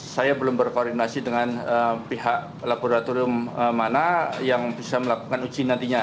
saya belum berkoordinasi dengan pihak laboratorium mana yang bisa melakukan uji nantinya